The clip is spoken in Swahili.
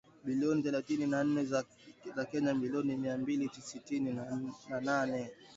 bilioni thelathini na nne za Kenya milioni mia mbili tisini na nane